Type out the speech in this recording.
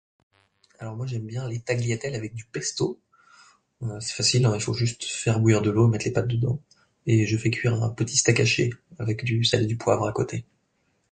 Alors, moi j'aime bien les tagliatelles avec du pesto. C'est facile, il faut juste faire bouillir de l'eau, mettre les pâtes dedans; et je fais cuire un petit steak hâché avec du sel et du poivre à côté.